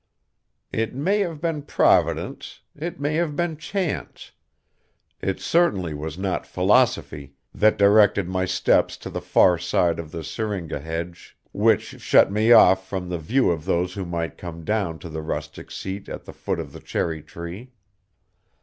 It may have been Providence, it may have been chance, it certainly was not philosophy that directed my steps to the far side of the syringa hedge which shut me off from the view of those who might come down to the rustic seat at the foot of the cherry tree.